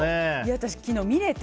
私、昨日見れて。